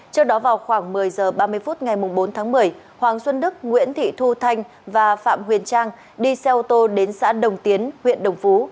trước đó vào khoảng một mươi h ba mươi phút ngày bốn tháng một mươi hoàng xuân đức nguyễn thị thu thanh và phạm huyền trang đi xe ô tô đến xã đồng tiến huyện đồng phú